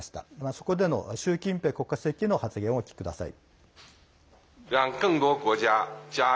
そこでの習近平国家主席の発言をお聞きください。